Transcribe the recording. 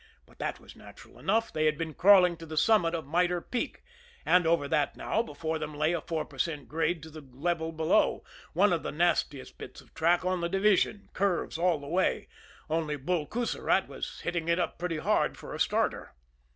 But that was natural enough they had been crawling to the summit of Mitre Peak, and, over that now, before them lay a four percent grade to the level below, one of the nastiest bits of track on the division, curves all the way only Bull Coussirat was hitting it up pretty hard for a starter.